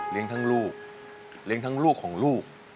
ทั้งลูกเลี้ยงทั้งลูกของลูก